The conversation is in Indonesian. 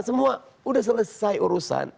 semua udah selesai urusan